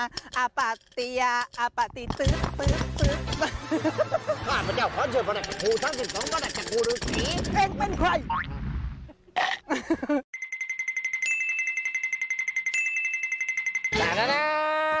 ข้าพระเจ้าพาชเชิญพระแลกภูท่านสิทธิ์พระนักศักดิ์ประดักษณ์ภูหรือชี